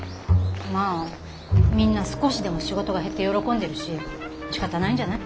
まあみんな少しでも仕事が減って喜んでるししかたないんじゃない？